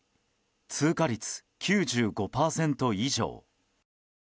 通過率９５％以上。